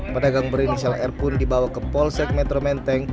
pedagang berinisial r pun dibawa ke polsek metro menteng